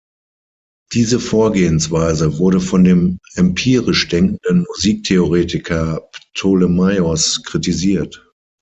Diese Vorgehensweise wurde von dem empirisch denkenden Musiktheoretiker Ptolemaios kritisiert.